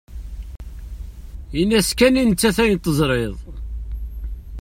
Ini-as kan i nettat ayen tesrid.